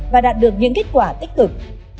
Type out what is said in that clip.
và đạt được những kết quả tích cực